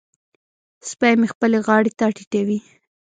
سپی مې خپلې غاړې ته ټيټوي.